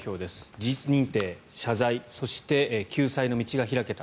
事実認定、謝罪そして救済の道が開けた。